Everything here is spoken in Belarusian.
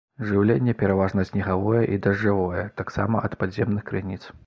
Жыўленне пераважна снегавое і дажджавое, таксама ад падземных крыніц.